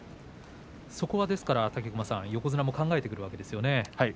そこはですから、武隈さん横綱も考えてくるわけですね。